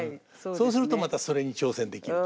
そうするとまたそれに挑戦できると。